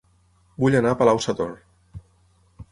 Vull anar a Palau-sator